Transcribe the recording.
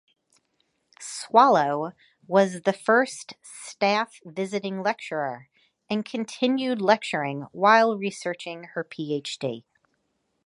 Swallow was the first Staff Visiting Lecturer and continued lecturing while researching her PhD.